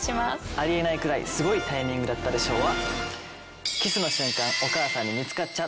ありえないくらいスゴいタイミングだったで賞は。